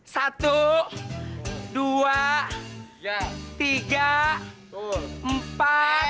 satu dua tiga empat